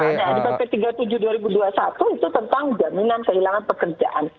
nah di pp tiga puluh tujuh dua ribu dua puluh satu itu tentang jaminan kehilangan pekerjaan